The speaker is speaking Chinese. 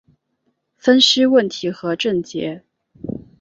分析问题和症结